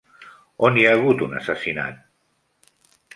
On hi ha hagut un assassinat?